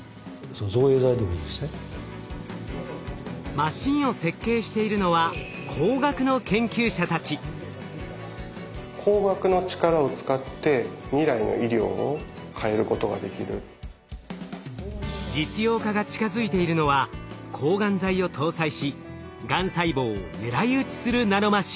マシンを設計しているのは実用化が近づいているのは抗がん剤を搭載しがん細胞を狙い撃ちするナノマシン。